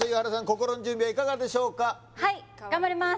心の準備はいかがでしょうかはい頑張ります